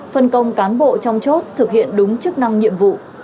phân công cán bộ trong chốt thực hiện đúng chức năng nhiệm vụ